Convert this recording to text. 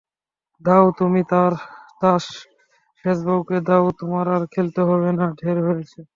দাও তুমি তাস সেজবৌকে, দাও, তোমার আর খেলতে হবে না-ঢ়ের হয়েছে।